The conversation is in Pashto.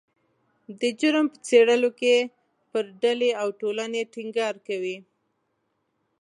د جرم په څیړلو کې پر ډلې او ټولنې ټینګار کوي